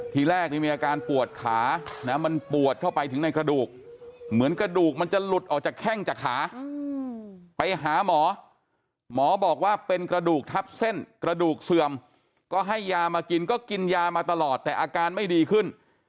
ทีแรกนี่มีอาการปวดขามันปวดเข้าไปถึงในกระดูกเหมือนกระดูกมันจะหลุดออกจากแข้งจากขาไปหาหมอหมอบอกว่าเป็นกระดูกทับเส้นกระดูกเสื่อมก็ให้ยามากินก็กินยามาตลอดแต่อาการไม่ดีขึ้น